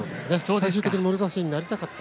最終的にもろ差しになりたかった。